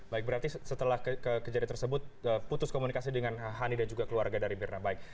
baik berarti setelah kejadian tersebut putus komunikasi dengan hani dan keluarga dari myrna